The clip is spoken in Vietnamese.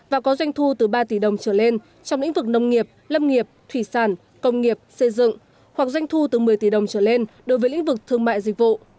và có doanh thu từ ba tỷ đồng trở lên trong lĩnh vực nông nghiệp lâm nghiệp thủy sản công nghiệp xây dựng hoặc doanh thu từ một mươi tỷ đồng trở lên đối với lĩnh vực thương mại dịch vụ